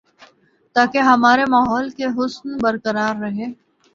تاکہ ہمارے ماحول کی حسن برقرار رہے